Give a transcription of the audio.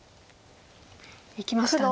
いきましたね。